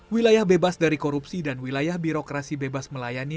wilayah bebas dari korupsi dan wilayah birokrasi bebas melayani